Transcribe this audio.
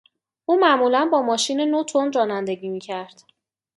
او معمولا با ماشین نو تند رانندگی میکرد.